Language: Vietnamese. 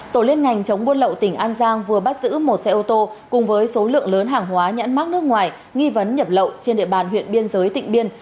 tổ liên ngành chống buôn lậu tỉnh an giang vừa bắt giữ một xe ô tô cùng với số lượng lớn hàng hóa nhãn mắc nước ngoài nghi vấn nhập lậu trên địa bàn huyện biên giới tỉnh biên